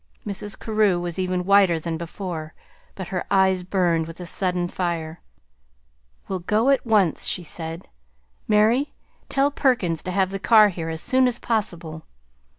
Mrs. Carew was even whiter than before, but her eyes burned with a sudden fire. "We'll go at once," she said. "Mary, tell Perkins to have the car here as soon as possible.